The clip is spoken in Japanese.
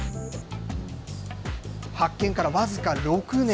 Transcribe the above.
発見から僅か６年。